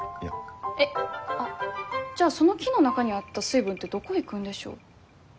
えっじゃあその木の中にあった水分ってどこいくんでしょう？